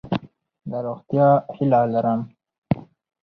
د روغتیا هیله لرم.